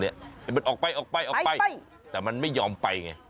เขาเป็นออกไปแต่มันไม่ยอมไปไงไป